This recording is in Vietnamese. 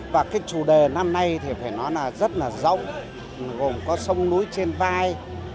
và cái chủ đề năm nay thì phải nói là rất là rộng gồm có sông núi trên vai